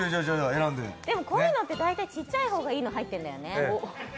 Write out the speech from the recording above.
こういうのって大体、ちっちゃいのがいいの入ってるんだよね。